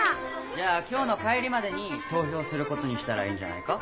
じゃあきょうの帰りまでにとうひょうすることにしたらいいんじゃないか？